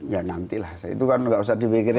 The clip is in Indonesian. ya nanti lah itu kan nggak usah dipikirin